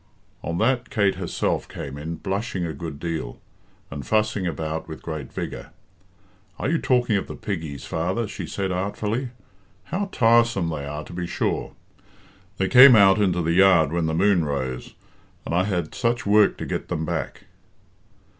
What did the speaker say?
On that Kate herself came in, blushing a good deal, and fussing about with great vigour. "Are you talking of the piggies, father?" she said artfully. "How tiresome they are, to be sure! They came out into the yard when the moon rose and I had such work to get them back."